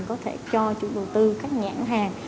có thể cho chủ đầu tư các nhãn hàng